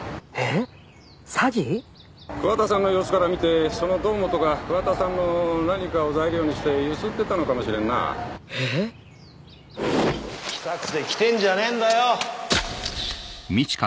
桑田さんの様子から見てその堂本が桑田さんの何かを材料にしてゆすってたのかもしれんなええっ⁉来たくて来てんじゃねぇんだよ！